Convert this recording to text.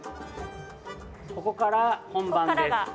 ここから本番です。